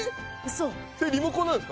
それリモコンなんすか？